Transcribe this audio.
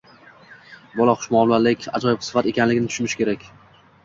Bola xushmuomalalik – ajoyib sifat ekanligini tushunishi kerak